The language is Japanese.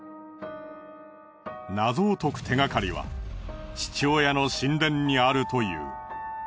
謎を解く手がかりは父親の神殿にあるという。